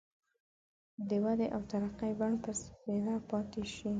د ودې او ترقۍ بڼ به سپېره پاتي شي.